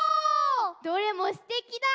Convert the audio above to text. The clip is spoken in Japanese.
どれもすてきだ！